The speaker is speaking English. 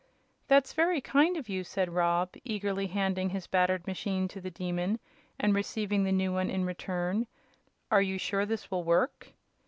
"That's very kind of you," said Rob, eagerly handing his battered machine to the Demon and receiving the new one in return. "Are you sure this will work?"